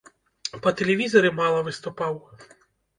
Па тэлевізары мала выступаў.